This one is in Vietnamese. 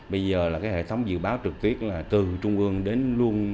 bây giờ là cái hệ thống dự báo trực tiếp là từ trung ương đến luôn